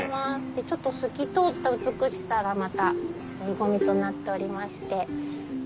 ちょっと透き通った美しさがまた醍醐味となっておりまして。